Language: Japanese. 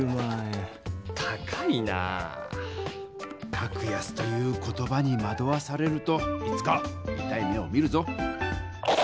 「格安」という言葉にまどわされるといつかいたい目を見るぞ！